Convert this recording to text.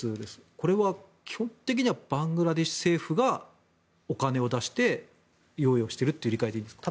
これは、基本的にはバングラデシュ政府がお金を出して用意をしている理解でいいんですか？